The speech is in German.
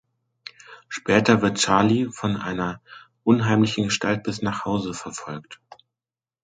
Später wird Charlie von einer unheimlichen Gestalt bis nach Hause verfolgt.